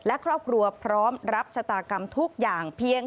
และครอบครัวพร้อมรับชะตากรรมทุกอย่างเพียง